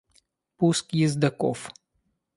Пуск ездоков.